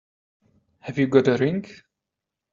Have you got a ring?